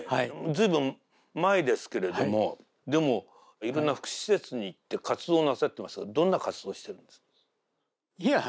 随分前ですけれどもでもいろんな福祉施設に行って活動なさってますがどんな活動してるんですか？